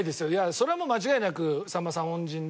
それはもう間違いなくさんまさん恩人で。